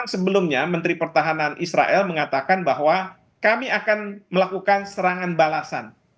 sebelumnya menteri pertahanan israel mengatakan bahwa kami akan melakukan serangan balasan